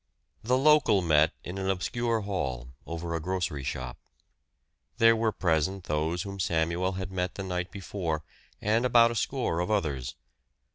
The "local" met in an obscure hall, over a grocery shop. There were present those whom Samuel had met the night before, and about a score of others.